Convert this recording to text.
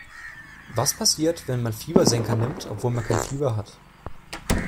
Was passiert, wenn man Fiebersenker nimmt, obwohl man kein Fieber hat?